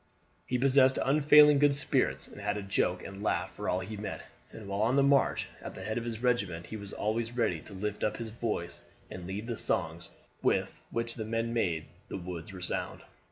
He possessed unfailing good spirits, and had a joke and laugh for all he met; and while on the march at the head of his regiment he was always ready to lift up his voice and lead the songs with which the men made the woods resound.